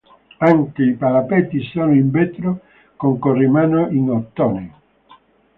Anche i parapetti sono in vetro, con corrimano in ottone.